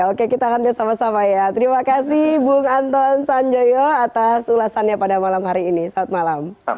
oke kita akan lihat sama sama ya terima kasih bung anton sanjoyo atas ulasannya pada malam hari ini selamat malam